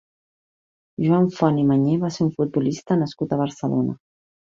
Joan Font i Mañé va ser un futbolista nascut a Barcelona.